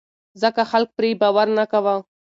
ځکه خلک پرې باور نه کاوه.